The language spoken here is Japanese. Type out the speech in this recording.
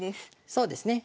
そうですね。